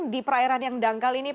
di perairan ini